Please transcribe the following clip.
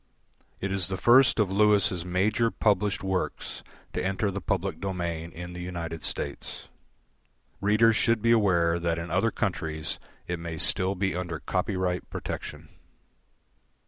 It is the first of Lewis' major published works to enter the public domain in the United States. Readers should be aware that in other countries it may still be under copyright protection.